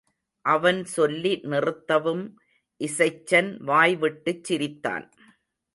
அவன் சொல்லி நிறுத்தவும் இசைச்சன் வாய்விட்டுச் சிரித்தான்.